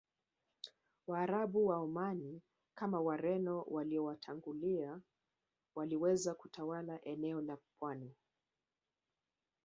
Waarabu wa Omani kama Wareno waliowatangulia waliweza kutawala eneo la pwani